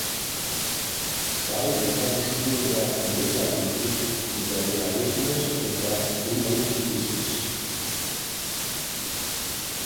Zwei bekannte Schulen der Metaethik sind der Realismus und der Emotivismus.